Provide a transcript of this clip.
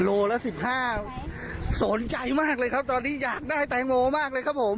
โลละ๑๕สนใจมากเลยครับตอนนี้อยากได้แตงโมมากเลยครับผม